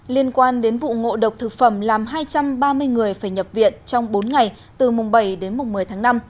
liên quan đến vụ ngộ độc thực phẩm làm hai trăm ba mươi người phải nhập viện trong bốn ngày từ mùng bảy đến mùng một mươi tháng năm